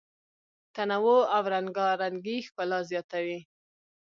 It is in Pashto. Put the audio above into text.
تنوع او رنګارنګي ښکلا زیاتوي.